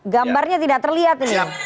gambarnya tidak terlihat